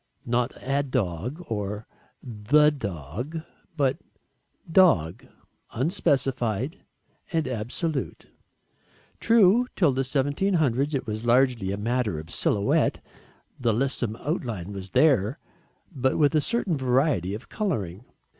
Not "a dog" or "the dog" but "dog" unspecified and absolute. True, till 1700 it was largely a matter of silhouette, the lissom outline was there, but with a certain variety of colouring.